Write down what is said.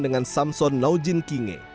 dengan samson naujin kinge